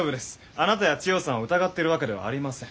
あなたや千代さんを疑ってるわけではありません。